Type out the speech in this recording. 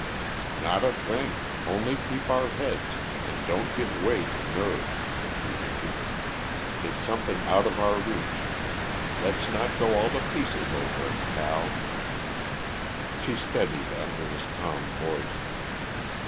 "Not a thing, only keep our heads, and don't give way to nerves," he hinted. "It's something out of our reach; let's not go all to pieces over it, pal." She steadied under his calm voice.